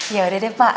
yaudah deh pak